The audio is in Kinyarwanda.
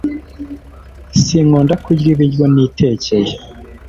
Sinkunda kurya ibiryo ntitekeye